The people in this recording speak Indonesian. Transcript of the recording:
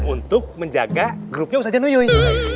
untuk menjaga grupnya ustadz zanurul